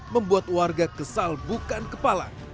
membuat warga kesal bukan kepala